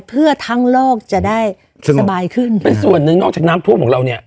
เพื่อทั้งโลกจะได้สบายขึ้นเป็นส่วนหนึ่งนอกจากน้ำท่วมของเราเนี่ย